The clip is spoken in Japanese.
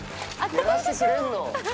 やらせくれるの？